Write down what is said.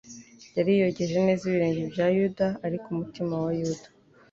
Yari yogeje neza ibirenge bya Yuda. Ariko umutima wa Yuda,